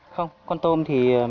không con tôm thì